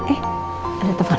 eh ada telfon